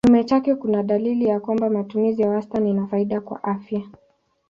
Kinyume chake kuna dalili ya kwamba matumizi ya wastani ina faida kwa afya.